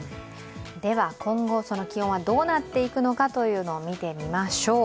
では、今後その気温はどうなっていくのかを見てみましょう。